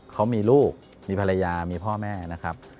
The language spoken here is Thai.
เขามีลูกมีภรรยามีพ่อแม่นะครับ